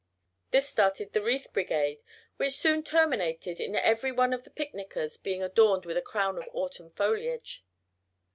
This started the wreath brigade, which soon terminated in every one of the picnickers being adorned with a crown of autumn foliage.